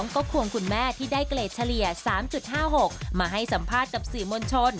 ก็ควงคุณแม่ที่ได้เกรดเฉลี่ย๓๕๖มาให้สัมภาษณ์กับสื่อมวลชน